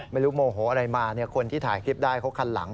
โมโหอะไรมาคนที่ถ่ายคลิปได้เขาคันหลัง